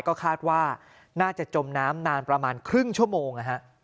ก็คาดว่าน่าจะจมน้ำนานประมาณครึ่งชั่วโมง